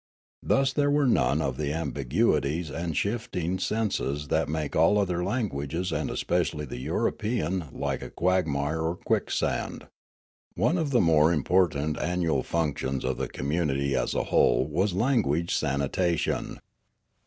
Thus there were none of the ambiguities and shifting senses that make all other languages and especially the European like a quagmire or quicksand. One of the more important annual functions of the community as a whole was language sanitation.